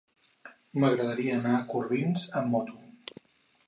M'agradaria anar a Corbins amb moto.